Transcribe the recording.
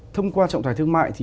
thông qua trọng tài thương mại